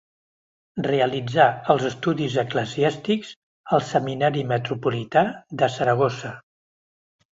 Realitzà els estudis eclesiàstics al Seminari Metropolità de Saragossa.